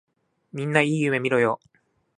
みんないい夢みろよ。